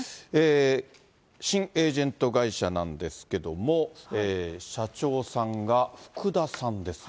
新エージェント会社なんですけども、社長さんが福田さんですね。